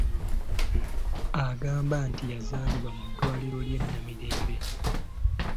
Agamba nti yazaalibwa mu ddwaliro ly'e Namirembe.